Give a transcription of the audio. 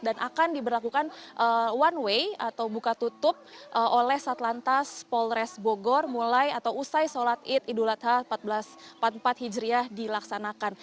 dan akan diberlakukan one way atau buka tutup oleh satlantas polres bogor mulai atau usai sholat id idul adha seribu empat ratus empat puluh empat hijriyah dilaksanakan